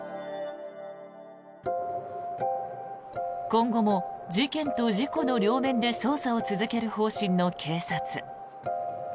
今後も事件と事故の両面で捜査を続ける方針の警察。